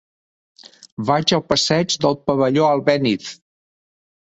Vaig al passeig del Pavelló Albéniz.